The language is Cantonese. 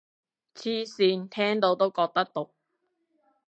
黐線，聽到都覺得毒